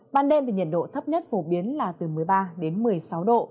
ban đêm thì nhiệt độ thấp nhất phổ biến là từ một mươi ba đến một mươi sáu độ